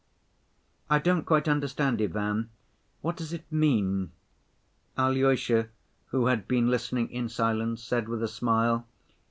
"I don't quite understand, Ivan. What does it mean?" Alyosha, who had been listening in silence, said with a smile.